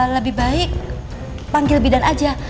lebih baik panggil bidan aja